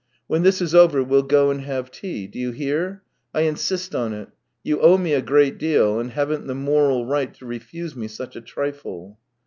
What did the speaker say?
" When this is over we'll go and have tea. Do you hear ? I insist on it. You owe me a great deal, and haven't the moral right to refuse me such a trifle.